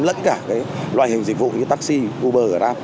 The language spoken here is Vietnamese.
lẫn cả loại hình dịch vụ như taxi uber